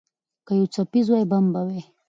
که یو څپیز وای، بم به وای.